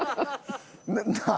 なあ？